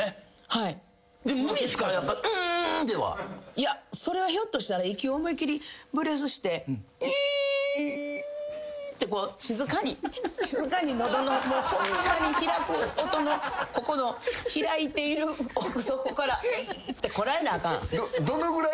いやそれはひょっとしたら息を思い切りブレスして「んん」ってこう静かに喉のホンマに開く音のここの開いている奥底から「ん」ってこらえなあかん。